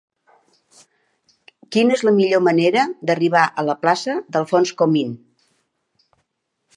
Quina és la millor manera d'arribar a la plaça d'Alfonso Comín?